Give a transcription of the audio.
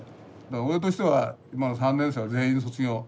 俺としては今の３年生は全員卒業。